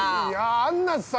◆アンナさん。